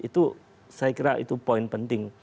itu saya kira itu poin penting